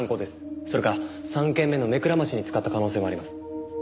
それか３件目の目くらましに使った可能性もあります。